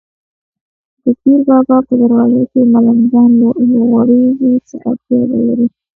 د پیر بابا په دروازه کې ملنګان لوغړېږي، څه اړتیا به لري.